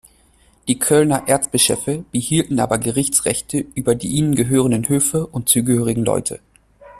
Die Kölner Erzbischöfe behielten aber Gerichtsrechte über die ihnen gehörenden Höfe und zugehörigen Leute.